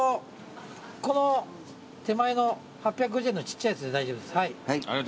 この手前の８５０円のちっちゃいやつで大丈夫です。